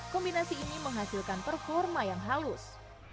kombinasi ini menghasilkan performa yang halus